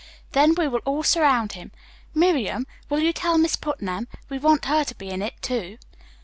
Then we will all surround him. Miriam, will you tell Miss Putnam? We want her to be in it, too."